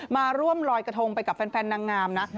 มาร่วมลอยกระทงไปกับแฟนนางงามนะ